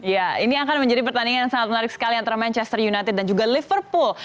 ya ini akan menjadi pertandingan yang sangat menarik sekali antara manchester united dan juga liverpool